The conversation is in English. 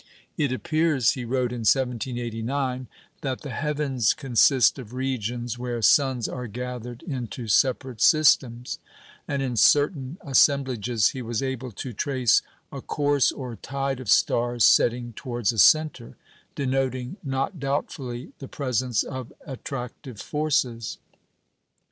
"It appears," he wrote in 1789, "that the heavens consist of regions where suns are gathered into separate systems"; and in certain assemblages he was able to trace "a course or tide of stars setting towards a centre," denoting, not doubtfully, the presence of attractive forces.